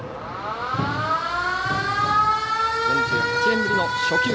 ４８年ぶりの初球。